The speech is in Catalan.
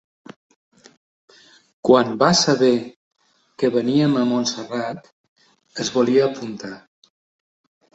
Quan va saber que veníem a Montserrat es volia apuntar.